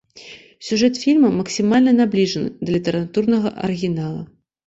Сюжэт фільма максімальна набліжаны да літаратурнага арыгінала.